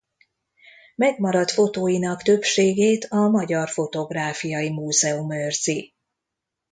Megmaradt fotóinak többségét a Magyar Fotográfiai Múzeum őrzi.